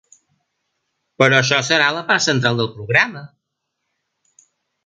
Però això serà a la part central del programa.